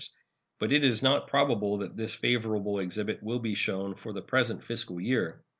But it is not probable that this favorable exhibit will be shown for the present fiscal year.